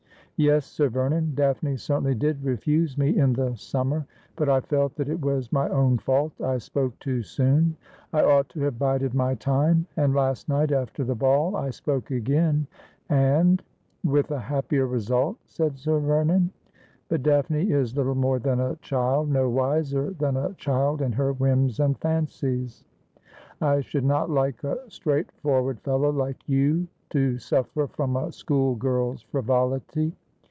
Yes, Sir Vernon, Daphne certainly did refuse me in the summer ; but I felt that it was my own fault. I spoke too soon. I ought to' have bided my time. And last night, after the ball, I spoke again, and —'' With a happier result,' said Sir Vernon. ' But Daphne is little more than a child — no wiser than a child in her whims and fancies. I should not like a straightforward fellow like you to suffer from a school girl's frivolity.